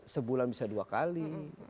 sebulan bisa dua kali